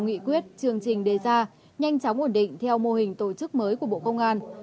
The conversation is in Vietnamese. nghị quyết chương trình đề ra nhanh chóng ổn định theo mô hình tổ chức mới của bộ công an